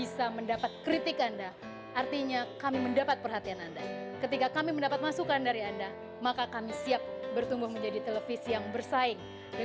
sementara untuk panglima tni ya tetap genre